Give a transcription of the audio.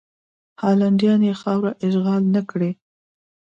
هالنډیان یې خاوره اشغال نه کړي.